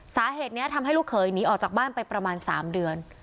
สาเหตุนี้ทำให้ลูกเขยหนีออกจากบ้านไปประมาณ๓เดือน